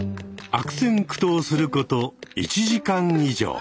悪戦苦闘すること１時間以上。